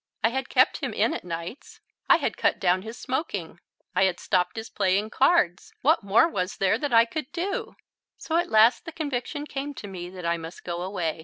I had kept him in at nights. I had cut down his smoking. I had stopped his playing cards. What more was there that I could do? So at last the conviction came to me that I must go away.